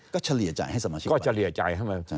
ก็เฉลี่ยจ่ายให้สมาชิกก็เฉลี่ยจ่าย